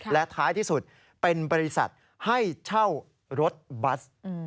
และท้ายที่สุดเป็นบริษัทให้เช่ารถบัส